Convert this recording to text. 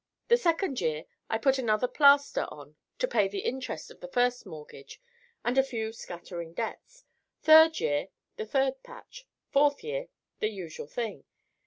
The second year I put another plaster on to pay the interest of the first mortgage and a few scattering debts. Third year, the third patch; fourth year, the usual thing.